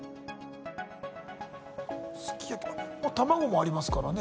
すき焼き卵もありますからね